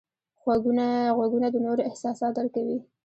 غوږونه د نورو احساسات درک کوي